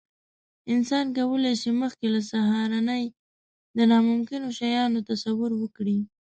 انسان کولی شي، مخکې له سهارنۍ د ناممکنو شیانو تصور وکړي.